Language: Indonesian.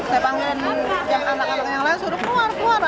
saya panggil anak anak yang lain suruh keluar keluar